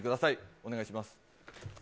お願いします。